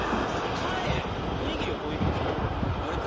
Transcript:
おにぎりはどういう意味ですか？